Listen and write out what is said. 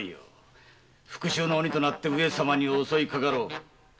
復讐の鬼となって上様に襲いかかろう。